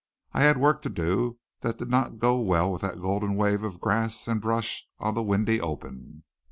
I had work to do that did not go well with that golden wave of grass and brush on the windy open.